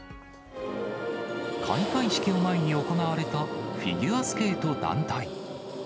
開会式を前に行われた、フィギュアスケート団体。